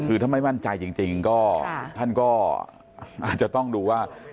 คือถ้าไม่มั่นใจจริงก็ท่านก็อาจจะต้องดูว่า